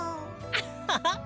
アッハハ！